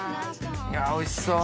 おいしそう！